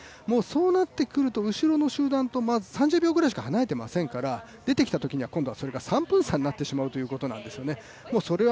そうなってくると、後ろの集団と３０秒ぐらいしか離れていませんから出てきたときには今度はそれが３分差になってしまうということなんですよね。